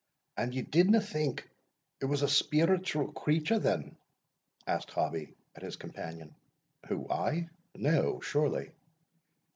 "And ye didna think it was a spiritual creature, then?" asked Hobbie at his companion. "Who, I? No, surely."